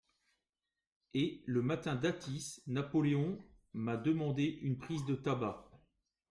Et, le matin d'Athis, Napoleon m'a demande une prise de tabac.